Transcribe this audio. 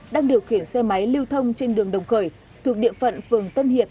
đang điều khiển xe máy lưu thông trên đường đồng khởi thuộc địa phận phường tân hiệp